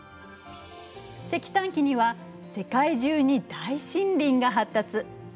石炭紀には世界中に大森林が発達。